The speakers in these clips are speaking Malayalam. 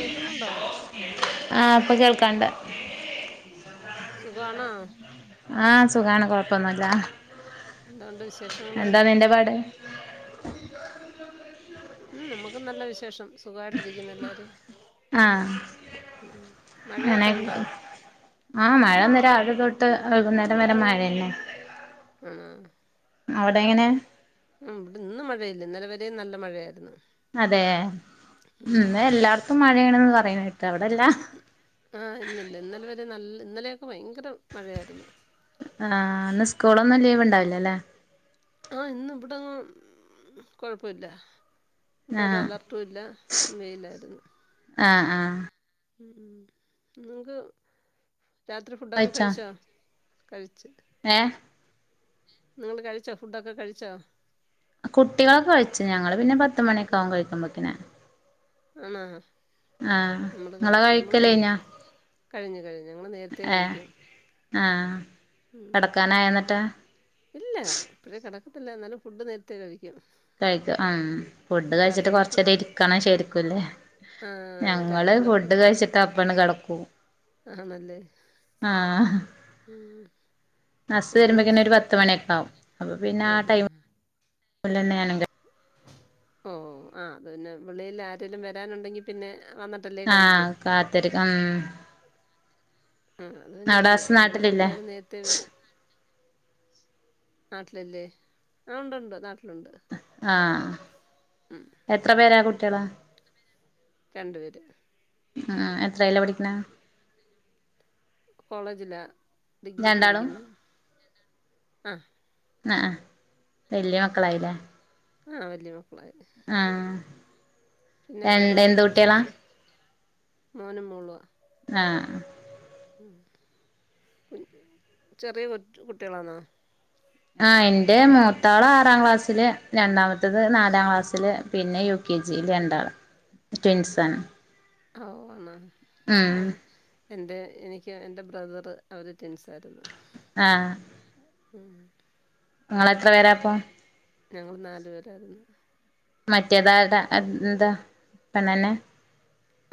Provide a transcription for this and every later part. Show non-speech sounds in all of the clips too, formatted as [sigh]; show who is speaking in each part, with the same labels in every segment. Speaker 1: കേക്കുന്നുണ്ടോ
Speaker 2: ആഹ് ഇപ്പൊ കേൾക്കുണ്ട്.
Speaker 1: സുഖമാണോ?
Speaker 2: ആഹ് സുഖാണ് കൊഴപ്പൊന്നുല്ല,
Speaker 1: എന്തുണ്ട് വിശേഷങ്ങള്
Speaker 2: എന്താ നിന്റെ പാട്.
Speaker 1: മം നമുക്ക് നല്ല വിശേഷം. സുഖായിട്ടിരിക്കുന്നു എല്ലാരും
Speaker 2: ആഹ്
Speaker 1: ഉം
Speaker 2: അങ്ങനെ
Speaker 1: മഴയൊക്കെ ഉണ്ടോ?
Speaker 2: ആഹ് മഴ ഇന്ന് രാവിലെ തൊട്ട് വൈകുന്നേരം വരെ മഴ തന്നെ.
Speaker 1: ഉം
Speaker 2: അവിടെ എങ്ങനെ?
Speaker 1: ഉം ഇവിടെ ഇന്ന് മഴയില്ല ഇന്നലെ വരെയും നല്ല മഴയായിരുന്നു.
Speaker 2: അതെ
Speaker 1: ഉം
Speaker 2: ഇന്ന് എല്ലായിടത്തും മഴയാണെന്ന് പറയുന്നു കേട്ട് അവിടെ ഇല്ല.
Speaker 1: ഉം ആഹ് ഇന്നില്ല ഇന്നലെ വരെയും നല്ല ഇന്നലെയൊക്കെ ഭയങ്കര മഴയായിരുന്നു.
Speaker 2: ആഹ് ഇന്ന് സ്കൂളൊന്നും ലീവ് ഉണ്ടാവില്ലല്ലേ?
Speaker 1: ആഹ് ഇന്ന് ഇവിടെ എങ്ങും ഏഹ് കൊഴപ്പമില്ല. ഇവിടെ ഒരു
Speaker 2: ആഹ്
Speaker 1: അലർട്ടും ഇല്ല വെയിലായിരുന്നു.
Speaker 2: ആഹ് ആഹ്
Speaker 1: ഉം നിങ്ങൾക്ക് രാത്രി ഫുഡ് ഒക്കെ കഴിച്ചോ? കഴിച്ച്
Speaker 2: ഏഹ്
Speaker 1: ഏഹ് നിങ്ങള് കഴിച്ചോ, ഫുഡ് ഒക്കെ കഴിച്ചോ?
Speaker 2: കുട്ടികളൊക്കെ കഴിച്ചു ഞങ്ങള് പിന്നെ പത്തു മണിയൊക്കെ ആക്കും കഴിക്കുമ്പത്തേന്.
Speaker 1: ആണോ,
Speaker 2: ആഹ്
Speaker 1: നമ്മള്
Speaker 2: നിങ്ങളെ
Speaker 1: കഴിച്ചു നമ്മള്
Speaker 2: കഴിക്കല് കഴിഞ്ഞോ
Speaker 1: നേരത്തെ. കഴിഞ്ഞു കഴിഞ്ഞു ഞങ്ങൾ നേരത്തെ
Speaker 2: ഏഹ്
Speaker 1: കഴിക്കും.
Speaker 2: ആഹ്
Speaker 1: ഉം.
Speaker 2: കിടക്കാനായോ എന്നിട്ട്.
Speaker 1: ഇല്ല ഇപ്പോഴേ കിടക്കത്തില്ല എന്നാലും ഫുഡ് നേരത്തെ കഴിക്കും.
Speaker 2: കഴിക്കും ആഹ് ഫുഡ് കഴിച്ചിട്ട്
Speaker 1: രാത്രിയിലെ
Speaker 2: കൊറച്ച് നേരം
Speaker 1: ഫുഡ്
Speaker 2: ഇരിക്കണം ശരിക്കുല്ലേ.
Speaker 1: ആ
Speaker 2: ഞങ്ങള് ഫുഡ് കഴിച്ചിട്ട് അപ്പം തന്നെ കിടക്കും.
Speaker 1: ആണല്ലേ ഉം.
Speaker 2: ഹസ്
Speaker 1: ഫുഡ്
Speaker 2: വരുമ്പത്തേന് ഒരു
Speaker 1: കഴിച്ച്
Speaker 2: പത്ത് മണിയൊക്കെ ആവും, അപ്പൊ പിന്നെ
Speaker 1: ആ
Speaker 2: ആഹ്
Speaker 1: ആ
Speaker 2: ടൈം
Speaker 1: ആ.
Speaker 2: പോലെ തന്നെയാണ്.
Speaker 1: ഓഹ് ആഹ് അത് പിന്നെ വെളിയിൽ ആരേലും വരാൻ ഉണ്ടെങ്കിൽ പിന്നെ വന്നി
Speaker 2: ആഹ് കാത്തിരിക്കും ഉം.
Speaker 1: ആഹ് അത് പിന്നെ
Speaker 2: അവിടെ
Speaker 1: അങ്ങനാ
Speaker 2: ഹസ്
Speaker 1: നമ്മള് പിന്നെ
Speaker 2: നാട്ടിലില്ലേ
Speaker 1: എല്ലാരും നേരത്തെ വരും. നാട്ടിലില്ലേ ആഹ് ഉണ്ട് ഉണ്ട് നാട്ടിലുണ്ട്.
Speaker 2: ആഹ്
Speaker 1: ഉം.
Speaker 2: എത്ര പേരെ കുട്ടികള്?
Speaker 1: രണ്ടുപേരെ.
Speaker 2: ആഹ് എത്രയിലാ പഠിക്കുന്നെ?
Speaker 1: കോളേജിലോ ഡിഗ്രിക്ക്
Speaker 2: രണ്ടാളും
Speaker 1: പഠിക്കുന്നു, രണ്ടാമത്തെ ആഹ്.
Speaker 2: ആഹ് ആഹ് വലിയ മക്കളായില്ലേ?
Speaker 1: ആഹ് വലിയതാ.
Speaker 2: ആഹ്
Speaker 1: പിന്നെ
Speaker 2: രണ്ട് എന്ത്
Speaker 1: വേറെന്തൊണ്ട്
Speaker 2: കുട്ടികളാ
Speaker 1: വിശേഷം. മോനും മോള്വ.
Speaker 2: ആഹാ.
Speaker 1: ചെറ്യേ കു കുട്ട്യേളാണോ.
Speaker 2: ആ എന്റെ മൂത്താള് ആറാം ക്ലാസ്സില്. രണ്ടാമത്തത് നാലാം ക്ലാസ്സില് പിന്നെ യു. കെ ജി യിൽ രണ്ടാള് ട്വിൻസാണ്.
Speaker 1: ഓ ആണ. ഓ
Speaker 2: ഉം
Speaker 1: എന്റെഎനിക്ക് എൻ്റെ ബ്രദറ്. അവര് തിന്സായിരുന്നു
Speaker 2: ആഹ്
Speaker 1: ഉം.
Speaker 2: ഇങ്ങളെത്ര പേരാ ഇപ്പം.
Speaker 1: ഞങ്ങള് നാലു പേരായിര്ന്ന്.
Speaker 2: മറ്റേ [unintelligible] താ എന്താ പെണ്ണന്നെ.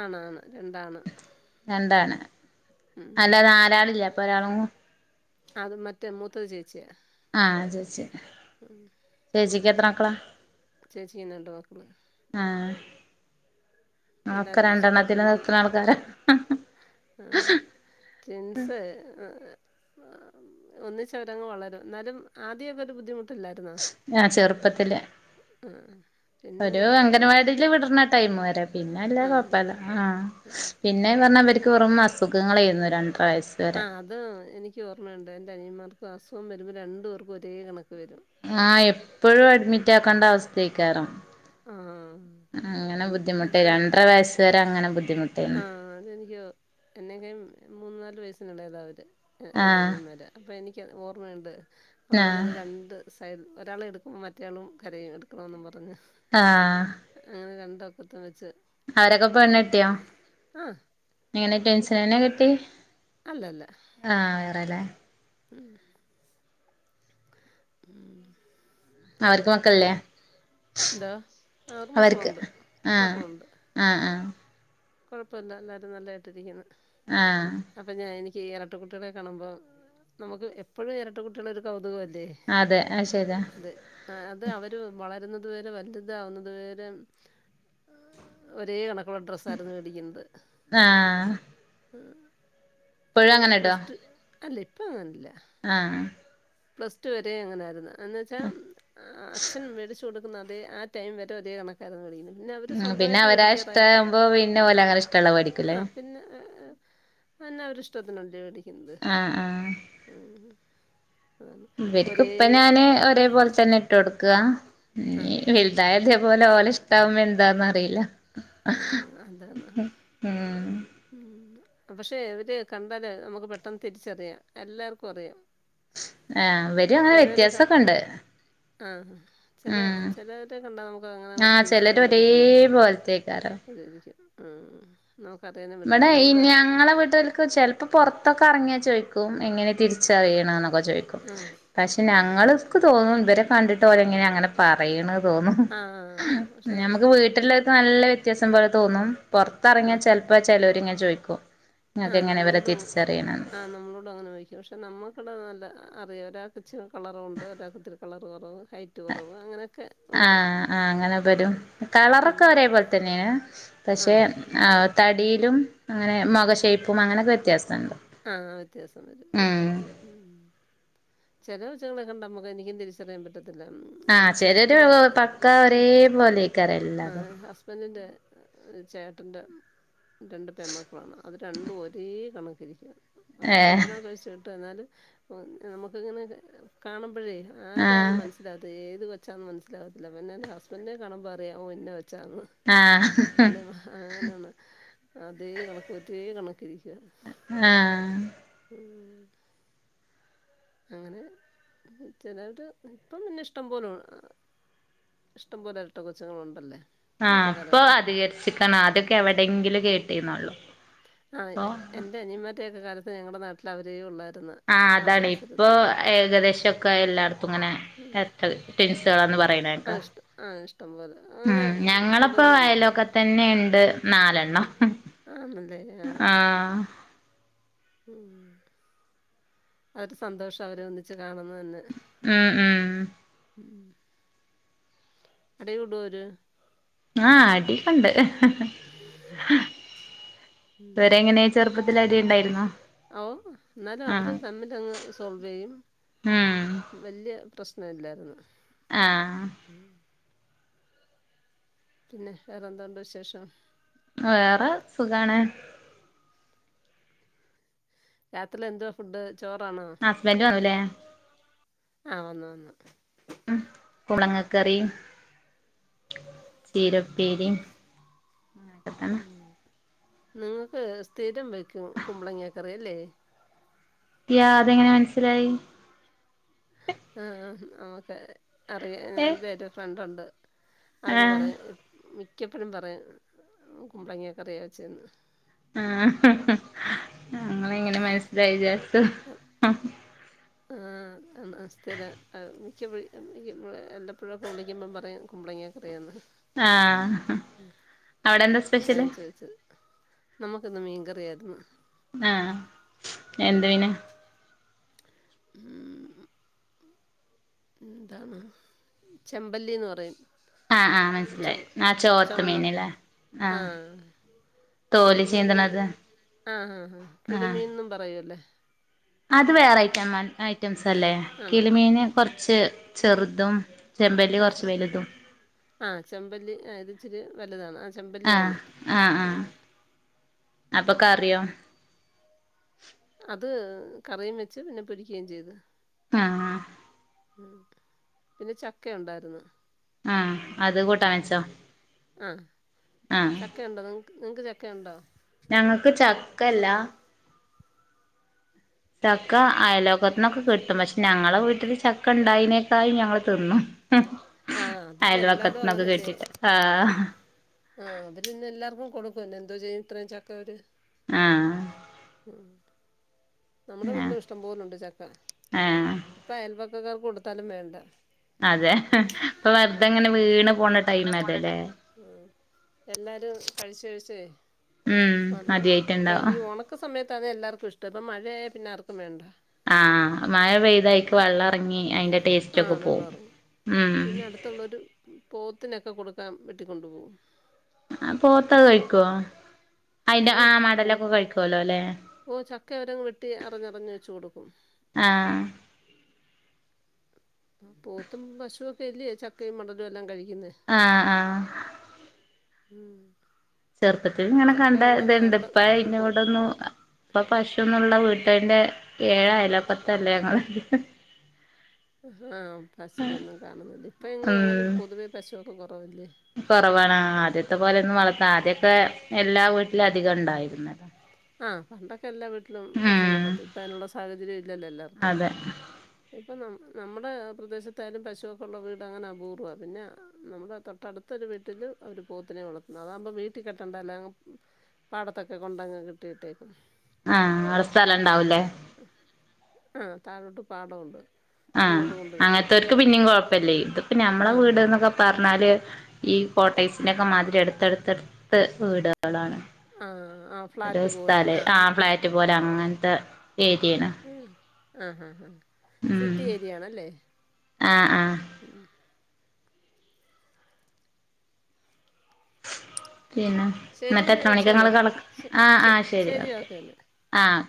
Speaker 1: ആണാണ് രണ്ടാണ്.
Speaker 2: രണ്ടാണ്.
Speaker 1: ഉം
Speaker 2: അല്ല നാലാളില്ലേ അപ്പൊ ഒരാളും
Speaker 1: അത് മറ്റേ മൂത്തത് ചേച്ചിയ.
Speaker 2: ആഹ് ചേച്ചി ചേച്ചിക്ക് എത്ര മക്കളാ.
Speaker 1: ചേച്ചിന്നണ്ട് മക്കള്.
Speaker 2: ആഹ് ആ ഒക്കെ
Speaker 1: എല്ലാവരും
Speaker 2: രണ്ടെണ്ണത്തി
Speaker 1: സുഖമായിട്ടിരിക്കുന്നു
Speaker 2: നിർത്ത്ണ ആൾക്കാരാ.
Speaker 1: ട്വിൻസ് ഒന്നിച്ചവരങ് വളരും. ഇന്നാലും ആദ്യകെ ഒരു ബുദ്ധിമുട്ട്.
Speaker 2: ആ ചെറുപ്പത്തില്.
Speaker 1: ആ. പിന്നെ
Speaker 2: ഒരു
Speaker 1: ഓക്കെ
Speaker 2: അംഗനവാടീല് വിടന്ന. ടൈം വര. പിന്നെ അല്ല
Speaker 1: ആ
Speaker 2: കൊഴപ്പല്ല. ആ പി.
Speaker 1: ഉം.
Speaker 2: പിന്നെന്ന് പറഞ്ഞാ ഇവർക്ക് വെറും അസുഖങ്ങളായിരുന്നു. രണ്ടര വയസ്സ്. വരെ
Speaker 1: ആഹ്. അത് എനിക്ക് ഓർമ്മയുണ്ട്. എന്റെ അനിയന്മാർക്കും അസുഖം വരുമ്പം രണ്ടു പേർക്കും ഒരേ കണക്ക് വരും.
Speaker 2: ആ എപ്പഴും അഡ്മിറ്റ് ആക്കേണ്ട അവസ്ഥത്തേയ്ക്കാരം.
Speaker 1: ആ
Speaker 2: അങ്ങനെ ബുദ്ധിമുട്ടെ രണ്ടര വയസ്സ വരെ അങ്ങനെ ബുദ്ധിമുട്ട്.
Speaker 1: ആ അതെനിക്കോ എന്നെക്ക മൂന്ന നാലു വയസ്സിനു എളേതാ അവര്. എൻ്റെ
Speaker 2: ആഹ്
Speaker 1: അനിയന്മാര. അപ്പോ എനിക്ക് ഓർമ്മയുണ്ട് അമ്മ
Speaker 2: ആഹ്
Speaker 1: ഇങ്ങനെ രണ്ട്. സൈൽ ഒരാളെ എടുക്കുമ്പോ മറ്റയാളും കരയും. എടുക്ക്ണോന്നും പറഞ്ഞ്.
Speaker 2: ആഹാ.
Speaker 1: അങ്ങനെ രണ്ട് ഒക്കത്തും വെച്ച്.
Speaker 2: അവരൊക്കെ പെണ്ണ് എട്ട്യോ
Speaker 1: ആഹ്
Speaker 2: എങ്ങനെ ട്ടെൻസന്നെ കെട്ട്യെ.
Speaker 1: ഇലല്ല.
Speaker 2: ആ വേറെലെ.
Speaker 1: ഉം ഉം
Speaker 2: അവർക്ക് മക്കള്ല്ലെ.
Speaker 1: എന്താ ആറ്
Speaker 2: അവർക്ക്
Speaker 1: മക്കളുണ്ട്
Speaker 2: ആഹ്
Speaker 1: മക്കളുണ്ട്.
Speaker 2: ആഹ് ആഹ്
Speaker 1: കൊഴപ്പില്ല എല്ലാരും നല്ലായിട്ടിരിക്കുന്നു.
Speaker 2: ആഹ്.
Speaker 1: അപ്പം ഞാൻ എനിക്ക് എരട്ട കുട്ട്യെളെ കാണുമ്പോ. നമുക്ക് എപ്പഴും എരട്ട കുട്ടികള് ഒരു കൗതുകം അല്ലേ.
Speaker 2: അതെ ആ ശരിയ.
Speaker 1: അത് അത് അവര് വളരുന്നതു വരെ വലുതാവുന്നതു വരെ. ഒരേ കണക്ക. ഡ്രസ് ആര്ത് ആര്ത് വേണ്ടി ക്കുന്നത്.
Speaker 2: ആഹ് ഇപ്പഴും
Speaker 1: ഇത്
Speaker 2: അങ്ങനെ
Speaker 1: പ്ലസ്
Speaker 2: ഇടോ
Speaker 1: ടു അല്ല ഇപ്പ അങ്ങല്ല.
Speaker 2: ആഹ്
Speaker 1: പ്ലസ് ടു വരെയും അങ്ങനെയായിരുന്ന് എന്ന് വെച്ചാ അച്ഛൻ മേടിച്ച് കൊടു ക്കുന്ന അതേ ആ ടൈം വരെ ഒരേ കണ [unintelligible] പിന്നെ അവര്
Speaker 2: ഉം പിന്നെ
Speaker 1: സ്വന്തായിട്ട്
Speaker 2: അവരാ
Speaker 1: മേടിക്കാറായപ്പോ
Speaker 2: ഇഷ്ടാവുമ്പോ പിന്നെ ഓല് അങ്ങനെ ഇഷ്ടള്ള വേടിക്കൂലേ
Speaker 1: ആഹ് പിന്നെ ഏഹ് പിന്നെ അവരടെ ഇഷ്ടത്തിന് അല്ലേ മേടിക്കുന്നത്
Speaker 2: ആഹ് ആഹ്
Speaker 1: ഉം അതാണ്
Speaker 2: ഇവർക്ക്
Speaker 1: ഒരേ
Speaker 2: ഇപ്പോ ഞാന് ഒരേ പോൽത്തെന്നെ ഇട്ടൊടുക്ക
Speaker 1: ആ
Speaker 2: ഇനി
Speaker 1: ആ
Speaker 2: വലുതായ ഇതേപോലെ ഓലെ ഇഷ്ടാവുമ്പോ എന്താന്ന് അറിയില്ല
Speaker 1: ആഹ് അതാണ്
Speaker 2: ഉം
Speaker 1: ഉം പക്ഷേ ഇവര് കണ്ടാലേ നമുക്ക് പെട്ടെന്ന് തിരിച്ചറിയാം എല്ലാർക്കും അറിയാം
Speaker 2: ആഹ് അവരും അങ്ങനെ
Speaker 1: ചിലരെ ക
Speaker 2: വ്യത്യാസൊക്കെ ഉണ്ട്
Speaker 1: ആഹ് ചെല
Speaker 2: ഉം
Speaker 1: ചെലവരെ കണ്ടാ നമുക്ക് അങ്ങനെ അങ്ങോട്ട് തിരിച്ചറിയാൻ പറ്റത്തില്ലല്ലോ
Speaker 2: പോൽത്തെ [unintelligible]
Speaker 1: അതായിരിക്കും ആഹ് നമ്മുക്ക് അതന്നെ
Speaker 2: ഇവടെ ഈ ഞങ്ങളെ വീട്ടുകാര്ക് ചെല പ്പോ പുറത്തൊക്കെ ഇറങ്ങിയാ ചോയിക്കും എങ്ങനെയാ തിരിച്ചറിയണന്നൊക്കെ ചോയിക്കും
Speaker 1: ആഹ്
Speaker 2: പക്ഷേ ഞങ്ങളക്ക് തോന്നും ഇവരെ കണ്ടിട്ട് ഓര് എങ്ങനെ അങ്ങനെ പറയണ തോന്നും
Speaker 1: ആഹ് പക്ഷെ
Speaker 2: ഞമക്ക് വീട്ടിലെ പല്ല വ്യത്യാസം പോലെ തോന്നും പുറത്തറങ്ങിയാ
Speaker 1: ആഹ്
Speaker 2: ചെലപ്പോ ചിലവര് ഇങ്ങനെ ചോദിക്കും
Speaker 1: ആഹ് നമ്മളോട് ആഹ് നമ്മളോട് അങ്ങനെ ചോദിക്കും പക്ഷേ നമ്മക്കിവിടെ നല്ല അറിയാം ഒരാൾക്ക് ഇച്ചിരി കളറുണ്ട് ഒരാൾക്ക് ഇത്തിരി കളർ കുറവ് ഹൈ കുറവ് അങ്ങനൊക്കെ
Speaker 2: ആഹ് ആഹ് അങ്ങനെ വരും
Speaker 1: ഉം
Speaker 2: കളറൊക്കെ ഒരേ പോലെ തന്നെയാ പക്ഷേ
Speaker 1: ആഹ് ആഹ്
Speaker 2: തടിയിലും അങ്ങനെ മുഖം ഷേപ്പും അങ്ങനെയൊക്കെ വ്യത്യാസണ്ട്‌
Speaker 1: ആഹ് വ്യത്യാസം വരും ഉം ചെല കൊച്ചുങ്ങളെകണ്ടാ നമ്മുക്ക് എനിക്കും തിരിച്ചറിയാൻ പറ്റത്തില്ല
Speaker 2: ആഹ്
Speaker 1: എന്റെ
Speaker 2: ചെലര്
Speaker 1: ചേട്ടന്റെ
Speaker 2: പക്കാ ഒരേ പോലെയ്ക്കാരം എല്ലാതും
Speaker 1: ആഹ് ഹസ്ബൻഡിന്റെ ചേട്ടൻ്റെ രണ്ട് പെൺമക്കളാണ് അത് രണ്ടും ഒരേ കണക്കിരിക്കും അവരെ
Speaker 2: ഏഹ്
Speaker 1: കല്യാണോക്കെ കഴിച്ച് വിട്ടു എന്നാലും നമുക്കിങ്ങനെ കാണുമ്പഴേ ആരാന്ന്
Speaker 2: ആഹ്
Speaker 1: മൻസ് ല അതേത് കൊച്ചാന്ന് മനസ്സിലാകത്തില്ല പിന്നെ അതിന്റെ ഹസ്ബൻഡിനെ കാണുമ്പോ അറിയാം ഓ ഇന്ന കൊച്ചാന്ന്
Speaker 2: ആഹ്
Speaker 1: അല്ല അങ്ങനെയാണ് അതേ കണക്ക്‌ ഒരേ കണക്കിരിക്കുവാ
Speaker 2: ആഹ്
Speaker 1: ഉം അങ്ങനെ ചെലവര് ഇപ്പം പിന്നെ ഇഷ്ടം പോലും ഇഷ്ടം പോലെ ഇരട്ട കൊച്ചുങ്ങള് ഉണ്ടല്ലേ
Speaker 2: ആഹ് ഇപ്പോ അധികരിച്ചിക്കണ് അദ്യക്കെ എവിടെയങ്കിലും കേട്ടിരുന്നൊള്ളു
Speaker 1: ആഹ് എന്റെ അനിയന്മാരടെക്കെ കാലത്ത് ഞങ്ങടെ നാട്ടില് അവരെ ഉള്ളായിരുന്നു
Speaker 2: ആഹ്
Speaker 1: ആ
Speaker 2: അതാണ് ഇപ്പോ
Speaker 1: പരിസരത്ത്
Speaker 2: ഏകദേശൊക്കെ എല്ലായിടത്തും ഇങ്ങനെ
Speaker 1: ഉം.
Speaker 2: എര് ട്ടൽ റ്റിൻസാന്ന്
Speaker 1: ആ
Speaker 2: പറയണേക്കാ
Speaker 1: ഇഷ്ടം ആ ഇഷ്ടം പോലെ അങ്ങനെ
Speaker 2: ഉം ഞങ്ങളിപ്പോ
Speaker 1: കൂടുതലുണ്ട്
Speaker 2: അയലോക്ക തന്നെണ്ട് നാലെണ്ണം
Speaker 1: [unintelligible]
Speaker 2: ആഹ്
Speaker 1: ഉം അതു സന്തോഷാ അവരെ ഒന്നിച്ച് കാണന്ന് തന്നെ
Speaker 2: ഉം ഉം
Speaker 1: ഉം അടി കൂടോ അവര്
Speaker 2: ആഹ് അടിയെക്കൊണ്ട് ഇവരെങ്ങനെ ചെറുപ്പത്തില് അടി ഉണ്ടായിരുന്നോ
Speaker 1: ഔ എന്നാലും അവര് തമ്മിലങ്ങ് സോൾവ് ചെയ്യും
Speaker 2: ഉം
Speaker 1: വല്യ പ്രശ്നമില്ലായിരുന്നു
Speaker 2: ആഹ്
Speaker 1: ഉം പിന്നെ വേറെന്ത്ണ്ട് വിശേഷം
Speaker 2: വേറെ സുഖാണ്
Speaker 1: രാത്രി എന്തോ ഫുഡ് ചോറാണോ
Speaker 2: ഹസ്ബൻഡ് വന്നൂല്ലേ
Speaker 1: ആഹ് വന്നു വന്നു
Speaker 2: ഉം കുബളങ്ങ കറി ചീര ഉപ്പേരിയും അതെക്കെ തന്നെ
Speaker 1: ഉം. നിങ്ങൾക്ക് സ്ഥിരം വയ്ക്കും കുമ്പളങ്ങേക്കറി അല്ലേ
Speaker 2: ത്യാ അതെങ്ങനെ മനസ്സിലായി
Speaker 1: ആഹ് ഓക്കെ അറിയാ
Speaker 2: ഏഹ്
Speaker 1: എന്റെ ഒരു ഫ്രണ്ട് ഉണ്ട് അവര്
Speaker 2: ആഹ്
Speaker 1: പറയും മിക്കപ്പോഴും പറയും കുമ്പളങ്ങ കറിയാ വെച്ചെന്ന്
Speaker 2: ഇങ്ങളെ എങ്ങന്നെ മനസ്സിലായി വിചാരിച്ച്
Speaker 1: ആഹ് ആഹ് സ്ഥിര മിക്ക എല്ലപ്പോഴും വിളിക്കുമ്പം പറയും കുമ്പളങ്ങൊക്കറിയാന്ന്
Speaker 2: ആഹ് അവിടെ എന്താ
Speaker 1: അതാ
Speaker 2: സ്പെഷ്യല്
Speaker 1: ഞാൻ ചോയിച്ചത് നമുക്ക് ഇന്ന് മീൻകറിയായിരുന്നു
Speaker 2: ആഹ് എന്ത്
Speaker 1: ഉം
Speaker 2: മീന
Speaker 1: ഉം എന്താണ് ചെമ്പല്ലിന്ന് പറയും
Speaker 2: ആഹ് ആഹ്
Speaker 1: ചൊ
Speaker 2: മനസ്സിലായി ആ ചോത്ത
Speaker 1: ചുമന്ന
Speaker 2: മീന്ല്ലേ ആഹ് തോല്
Speaker 1: നമ്മളതിന്
Speaker 2: ചീന്തണത്
Speaker 1: ആഹ് ആഹ് ആഹ് കിളിമീൻന്നും പറയൂല്ലേ
Speaker 2: അത് വേറെ ഐറ്റം ഐറ്റംസ്ല്ലേ
Speaker 1: ആണോ
Speaker 2: കിളിമീന് കൊറച്ച് ചെറുതും ചെമ്പല്ലി
Speaker 1: ആഹ് ആഹ്
Speaker 2: കുറച്ച് വെലുതും
Speaker 1: ആ ചെമ്പല്ലി ആ ഇത് ഇച്ചിരി വലുതാണ് ആ
Speaker 2: ആഹ്
Speaker 1: ചെമ്പല്ലിയാണ്
Speaker 2: ആഹ് ആഹ്
Speaker 1: ഉം
Speaker 2: അപ്പൊ കറിയോ
Speaker 1: അത് കറിയും വെച്ച് പിന്നെ പൊരിക്കുകയും ചെയ്ത്
Speaker 2: ആഹ്
Speaker 1: ഉം പിന്നെ ചക്ക ഉണ്ടായിരുന്നു
Speaker 2: ആ അത് കൂട്ടാൻ വച്ചോ
Speaker 1: ആഹ്
Speaker 2: ആഹ്
Speaker 1: ചക്ക ഉണ്ടോ നിങ്ങക്ക് നിങ്ങൾക്ക് ചക്ക ഉണ്ടോ
Speaker 2: ഞങ്ങക്ക് ചക്കല്ലാ ചക്ക അയിലോകത്താനൊക്കെ കിട്ടും പക്ഷേ ഞങ്ങളെ വീട്ടില് ചക്ക ഇണ്ടായിതിനേക്കായി ഞങ്ങള് തിന്നു
Speaker 1: ആഹ് അതിപ്പോ എല്ലാടും അങ്ങനെല്ലേ അത്
Speaker 2: ആഹ്
Speaker 1: ആ അവരിന്ന് എല്ലാർക്കും കൊടുക്കും പിന്നെ എന്തോ ചെയ്യും ഇത്രയും ചക്ക അവര്
Speaker 2: ആഹ്
Speaker 1: ഉം നമ്മുടെ
Speaker 2: ആഹ്
Speaker 1: വീട്ടിലും ഇഷ്ടം പോലുണ്ട് ചക്ക
Speaker 2: ആഹ്
Speaker 1: ഇപ്പ അയൽവക്കക്കാർക്ക് കൊടുത്താലും വേണ്ട
Speaker 2: അതെ ഇപ്പൊ വെറുതെങ്ങനെ വീണ് പോണ ടൈം അല്ലല്ലേ
Speaker 1: ആഹ് എല്ലാവരും കഴിച്ച് കഴിച്ചേ
Speaker 2: ഉം
Speaker 1: മടുത്ത്
Speaker 2: മതിയായിട്ടുണ്ടാവും
Speaker 1: ഈ ഓണക്ക ഒക്ക സമയത്താണ് എല്ലാവർക്കും ഇഷ്ടം ഇപ്പം മഴയ പിന്നെ ആർക്കും വേണ്ട
Speaker 2: ആഹ് മഴ പെയ്തായിക്ക് വെള്ളം എറങ്ങി അയിന്റെ ടേസ്റ്റ് ഒക്കെ പോവും ഉം
Speaker 1: ത്തള്ളൊരു പോത്തിനൊക്കെ കൊടുക്കാൻ വെട്ടിക്കൊണ്ടു പോകും
Speaker 2: ആഹ് പോത്തൊക്കെ കഴിക്കുവോ
Speaker 1: ആഹ് പോത്ത്
Speaker 2: ല്ലേ
Speaker 1: ഓഹ് ചക്കവരെങ്ങ് വെട്ടി അറിഞ്ഞറിഞ്ഞ് വെച്ച് കൊടുക്കും
Speaker 2: ആഹ്
Speaker 1: ആഹ് പോത്തും പശുവൊക്കെ അല്ലേ ചക്കയും മടലും എല്ലാം കഴിക്കുന്നത്
Speaker 2: ആഹ് ആഹ്
Speaker 1: ഉം
Speaker 2: ചെറുപ്പത്തില്ങ്ങനെ കണ്ട
Speaker 1: ചക്ക ഉള്ളത്
Speaker 2: ഇത്ണ്ട്
Speaker 1: അവിടെ അപ്പോ
Speaker 2: ഇപ്പയിനൊടൊന്നും അ ഇപ്പം പശൊവൊന്നുള്ള വീട്ടാന്റെ ഏഴയലോക്കെത്തെല്ല ഞങ്ങള്
Speaker 1: ഹാഹ് പശൂനൊന്നും കാണുന്നില്ല ഇപ്പഴെങ്ങും
Speaker 2: ഉം
Speaker 1: അങ്ങനെ പൊതുവെ പശുവൊക്കെ കൊറവല്ലേ?
Speaker 2: കൊറവാണ് ആ ആദ്യത്തെ പോലൊന്നും വളർത്ത ആദ്യക്കെ എല്ലാ വീട്ട്ലും അധികണ്ടായിര്ന്ന്
Speaker 1: ആഹ് പണ്ടൊക്കെല്ലാ വീട്ട്ലും
Speaker 2: ഉം
Speaker 1: പശൂനെ വളത്തും ഇപ്പയ്നുള്ള സാഹചര്യവില്ലല്ലോ എല്ലാർക്കും
Speaker 2: അതെ
Speaker 1: ഇപ്പം ന നമ്മുടെ പ്രദേശത്തായാലും പശുവൊക്കെ ഒള്ള വീട് അങ്ങനെ അപൂർവ്വ പിന്നെ നമ്മുടെ തൊട്ടടുത്തൊരു വീട്ടില് അവര് പോത്തിനെ വളർത്തുന്നു അതാവുമ്പോ വീട്ടി കെട്ടണ്ടല്ലോ അങ്ങ് പാടത്തൊക്കെ കൊണ്ടങ്ങ് കെട്ടിയിട്ടേക്കും
Speaker 2: ആഹ് ആടെ സ്ഥലണ്ടാവുല്ലേ?
Speaker 1: ആഹ് താഴോട്ട് പാടൊവൊണ്ട്
Speaker 2: ആഹ് അങ്ങനത്തോൽക്ക് പിന്നിം കൊഴപ്പെല്ലേ ഇത്പ്പ ഞമ്മളെ
Speaker 1: ആ ഹാ
Speaker 2: വീട്ന്നൊക്കെ പ പർഞ്ഞാല് ഈ കോട്ടൈസിന്റെക്കെ മാതിരി എടുത്തെടുത്തെടുത്ത് വീട്കളാണ്
Speaker 1: ആ ആ
Speaker 2: ഒരു
Speaker 1: ഫ്ലാറ്റ് പോലെ
Speaker 2: സ്ഥല്
Speaker 1: ആ ഹാ
Speaker 2: ആഹ് ഫ്ലാറ്റ് പോലെ അങ്ങൻത്തെ ഏരിയേണ്
Speaker 1: ആഹ് ഹാഹ് ഹാഹ് സിറ്റി ഏരിയാണല്ലേ?
Speaker 2: ആഹ് ആഹ്
Speaker 1: ഉം
Speaker 2: പിന്നെ
Speaker 1: ശരി
Speaker 2: ഇന്നിട്ടെത്ര
Speaker 1: എന്നാൽ വെച്ചേര്
Speaker 2: മണിക്കങ്ങെള് കടക്ക
Speaker 1: ശ-
Speaker 2: ആഹ്
Speaker 1: ശ-
Speaker 2: ആഹ് ശരി എന്നാ
Speaker 1: ഓക്കെ എന്നാൽ
Speaker 2: ആഹ്